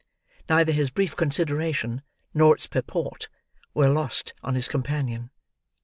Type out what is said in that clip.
Neither his brief consideration, nor its purport, was lost on his companion.